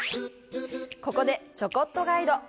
ここで、ちょこっとガイド！